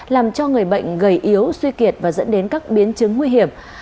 làm cho người bệnh gầy yếu suy kiệt và dẫn đến các biến chứng nguy hiểm